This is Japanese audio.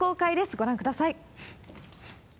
ご覧ください。